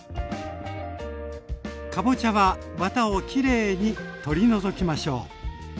かぼちゃはわたをきれいに取り除きましょう。